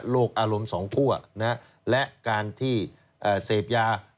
อารมณ์สองทั่วและการที่เสพยา